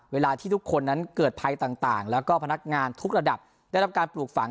เวลาที่ทุกคนนั้นเกิดภัยต่างแล้วก็พนักงานทุกระดับได้รับการปลูกฝัง